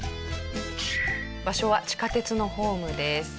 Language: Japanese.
場所は地下鉄のホームです。